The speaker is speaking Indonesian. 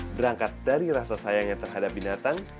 berangkat dari rasa sayangnya terhadap binatang